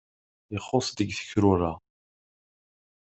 Ixuṣṣ deg tekrura.